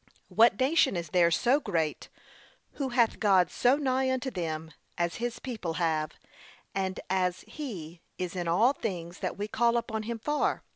'what nation is there so great, who hath God so nigh unto them' as his people have, and as he 'is in all things that we call upon him for?